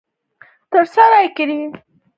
ترسره کړې به وي داسې کسانو چې دینداره وګړي وو.